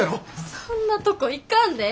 そんなとこ行かんでええ！